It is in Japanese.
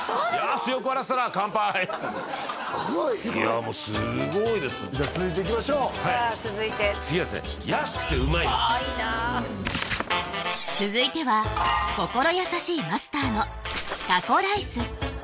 すごいいやもうすごいですじゃあ続いていきましょうさあ続いて次はですね安くて旨いですああいいな続いては心優しいマスターのタコライス